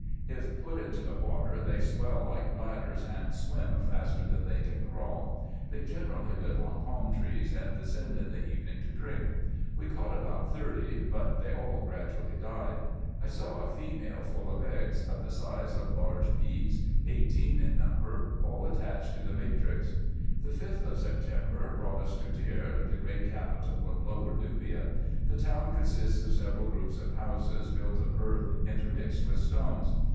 If put into the water, they swell like bladders, and swim faster than they can crawl. They generally live on palm trees, and descend in the evening to drink. We caught about thirty, but they all gradually died. I saw a female full of eggs, of the size of large peas, eighteen in number, all attached to the matrix. The 5th of September brought us to Deir, the great capital of Lower Nubia. The town consists of several groups of houses, built of earth intermixed with stones.